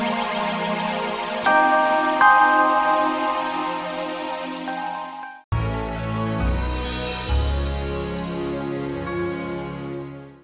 saya harus peroleh pemeriksaan